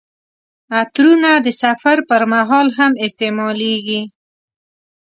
عطرونه د سفر پر مهال هم استعمالیږي.